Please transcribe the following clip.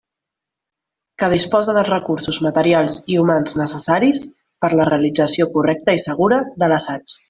Que disposa dels recursos materials i humans necessaris per a la realització correcta i segura de l'assaig.